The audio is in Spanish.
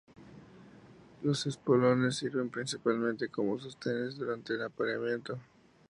Los espolones sirven principalmente como sostenes durante el apareamiento.